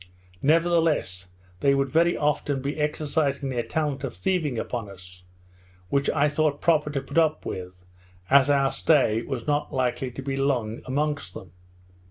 Nevertheless, they would very often be exercising their talent of thieving upon us, which I thought proper to put up with, as our stay was not likely to be long amongst them.